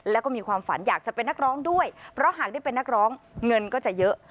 แล้วก็มีความฝันอยากจะเป็นนักร้องด้วยเพราะหากได้เป็นนักร้องเงินก็จะเยอะ